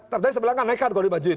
tapi sebenarnya kan nekat kalau dimajuin